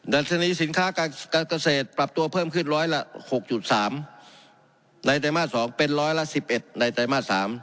ดัชนีสินค้าการเกษตรปรับตัวเพิ่มขึ้นร้อยละ๖๓ในไตรมาส๒เป็นร้อยละ๑๑ในไตรมาส๓